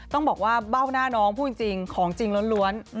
ต้องบอกว่าเบ้าหน้าน้องพูดจริงของจริงล้วน